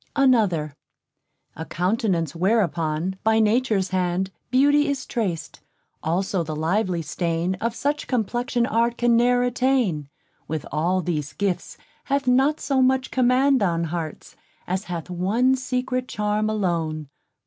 _ Another _A countenance whereon, by natures hand, Beauty is trac'd, also the lively stain Of such complexion art can ne'er attain, With all these gifts hath not so much command On hearts, as hath one secret charm alone.